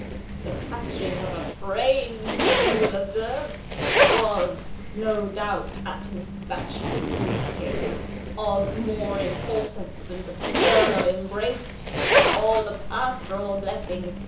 The catching of a train, you will observe, was (no doubt at Miss Batchford's instigation) of more importance than the parental embrace or the pastoral blessing.